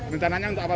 rencananya untuk apa